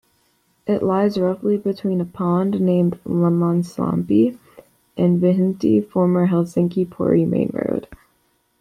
It lies roughly between a pond named Lammaslampi and Vihdintie, former Helsinki-Pori main road.